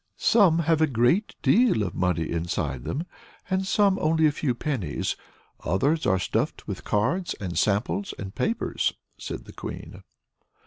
"Some have a great deal of money inside them, and some only a few pennies. Others are stuffed with cards and samples and papers," said the Queen.